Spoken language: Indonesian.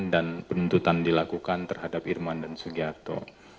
dan penuntutan dilakukan terhadap irman dan sugiharto